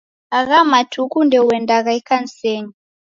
Agha matuku ndouendagha ikanisenyi.